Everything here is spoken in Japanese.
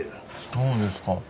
そうですか。